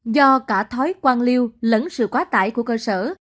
do cả thói quan liêu lẫn sự quá tải của cơ sở